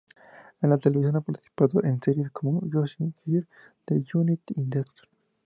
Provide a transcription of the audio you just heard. En la televisión ha participado en series como"", "Gossip Girl", "The Unit" y "Dexter"